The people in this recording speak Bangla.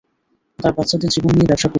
তারা বাচ্চাদের জীবন নিয়ে ব্যাবসা করছে।